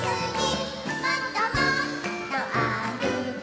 「もっともっとあるこ！」